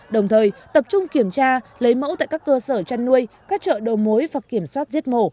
đồng thời tập trung kiểm tra lấy mẫu tại các cơ sở chăn nuôi các chợ đầu mối và kiểm soát giết mổ